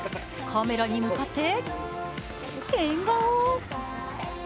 カメラに向かって変顔。